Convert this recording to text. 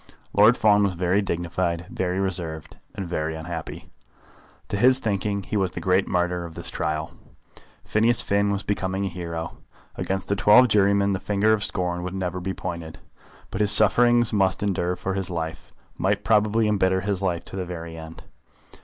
Lord Fawn was very dignified, very reserved, and very unhappy. To his thinking he was the great martyr of this trial. Phineas Finn was becoming a hero. Against the twelve jurymen the finger of scorn would never be pointed. But his sufferings must endure for his life might probably embitter his life to the very end.